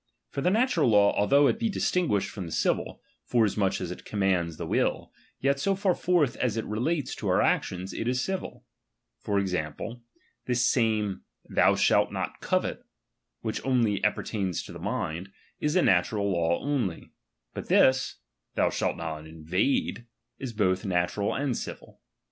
For the natural law, ^M although it be distinguished from the civil, foras ^1 much as it commands the will ; yet so far forth as ^1 it relates to our actions, it is civil. For example, ^1 this same, thou shall not covet, which only apper ^1 tains to the mind, is a natural law only ; but this, ^B thou shalt not invade, is both naturd and civil.